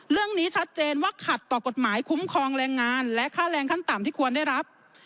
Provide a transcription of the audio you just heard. เรื่องนี้ชัดเจนว่าขัดต่อกฎหมายคุ้มครองแรงงานและค่าแรงขั้นต่ำที่ควรได้รับ